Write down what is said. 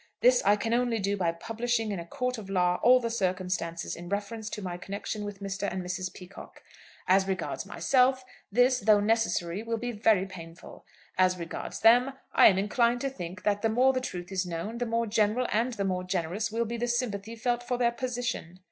This I can only do by publishing in a court of law all the circumstances in reference to my connection with Mr. and Mrs. Peacocke. As regards myself, this, though necessary, will be very painful. As regards them, I am inclined to think that the more the truth is known, the more general and the more generous will be the sympathy felt for their position.